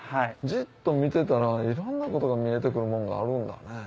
じっと見てたらいろんなことが見えてくるもんがあるんだね。